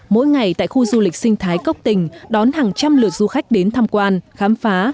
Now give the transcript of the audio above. mỗi ngày tại khu du lịch sinh thái cốc tình đón hàng trăm lượt du khách đến tham quan khám phá